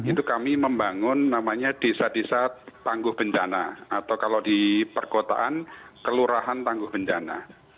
itu kami membangun namanya desa desa tangguh bencana atau kalau di perkotaan kelurahan tangguh bencana